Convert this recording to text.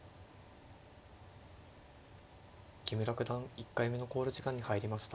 木村九段１回目の考慮時間に入りました。